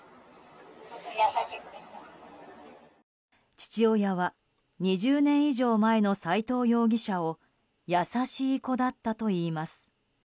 父親は２０年以上前の斎藤容疑者を優しい子だったといいます。